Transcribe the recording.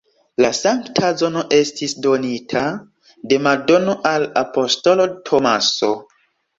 La sankta zono estis donita de Madono al apostolo Tomaso.